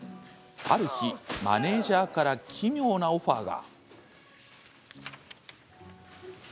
ある日、マネージャーから奇妙なオファーが。